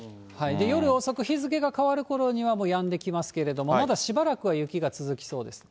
夜遅く、日付が変わるころには、もうやんできますけれども、まだしばらくは雪が続きそうです。